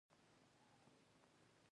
غزنی ولایت ښکلی شار دی.